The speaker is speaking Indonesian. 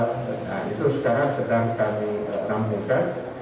nah itu sekarang sedang kami rampungkan